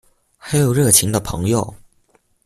還有熱情的朋友